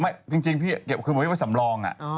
ไม่จริงพี่เก็บเครื่องไว้ไปสำรองอ่ะ